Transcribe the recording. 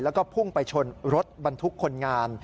แล้วก็พุ่งไปชนรถบรรทุกคนงาน